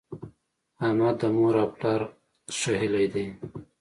احمد د مور او پلار ښهلی دی.